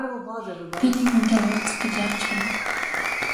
Би нэг хүнтэй уулзах гэж яарч байна.